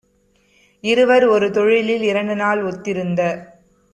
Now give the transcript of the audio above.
இருவர் ஒருதொழிலில் இரண்டுநாள் ஒத்திருந்த